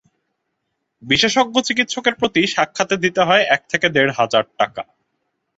বিশেষজ্ঞ চিকিৎসকের প্রতি সাক্ষাতে দিতে হয় এক থেকে দেড় হাজার টাকা।